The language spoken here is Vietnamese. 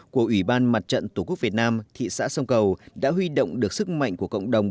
của ủy ban mặt trận tổ quốc việt nam thị xã sông cầu